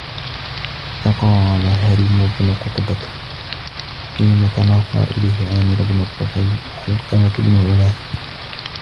حَتَّى قَالَ هَرِمُ بْنُ قُطْبَةَ حِينَ تَنَافَرَ إلَيْهِ عَامِرُ بْنُ الطُّفَيْلِ وَعَلْقَمَةُ بْنُ عُلَاثَةَ